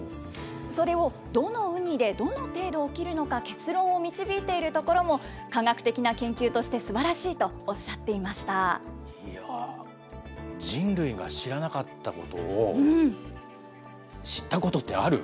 それをどのウニで、どの程度起きるのか、結論を導いているところも、科学的な研究としてすばらしいとおっいやぁ、人類が知らなかったことを知ったことってある？